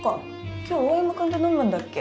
今日大山くんと飲むんだっけ？